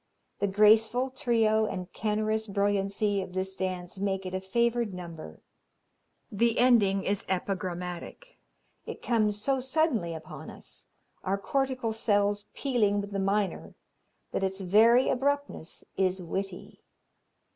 The graceful trio and canorous brilliancy of this dance make it a favored number. The ending is epigrammatic. It comes so suddenly upon us, our cortical cells pealing with the minor, that its very abruptness is witty.